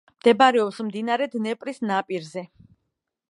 მდებარეობს მდინარე დნეპრის ნაპირზე.